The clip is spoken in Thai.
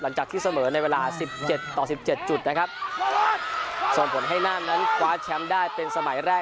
หลังจากที่เสมอในเวลาสิบเจ็ดต่อสิบเจ็ดจุดนะครับส่งผลให้น่านนั้นคว้าแชมป์ได้เป็นสมัยแรก